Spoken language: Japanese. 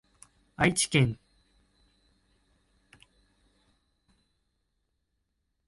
愛知県常滑市